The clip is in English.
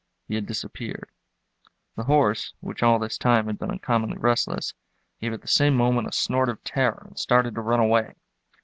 He had disappeared. The horse, which all this time had been uncommonly restless, gave at the same moment a snort of terror and started to run away.